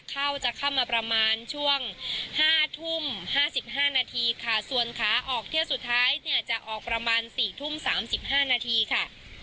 เข้าจะเข้ามาประมาณช่วงห้าทุ่มห้าสิบห้านาทีค่ะส่วนค้าออกเที่ยวสุดท้ายเนี่ยจะออกประมาณสี่ทุ่มสามสิบห้านาทีค่ะ